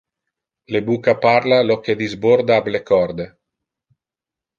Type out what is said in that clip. Le bucca parla lo que disborda ab le corde.